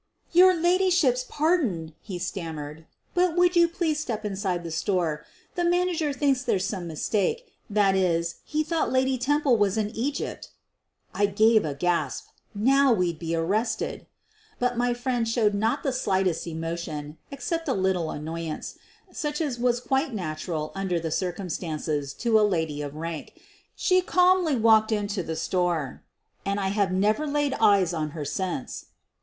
"Your ladyship's pardon," he stammered, "but 114 SOPHIE LYONS would you please step inside the store. The man ager thinks there's some mistake — that is, he thought Lady Temple was in Egypt.' ' I gave a gasp — now we'd be arrested! But my friend showed not the slightest emotion, except a little annoyance, such as was quite natural under the circumstances to a lady of rank. She calmly walked into the store — and I have never laid eyes on her since.